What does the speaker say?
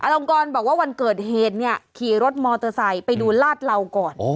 ลงกรบอกว่าวันเกิดเหตุเนี่ยขี่รถมอเตอร์ไซค์ไปดูลาดเหล่าก่อน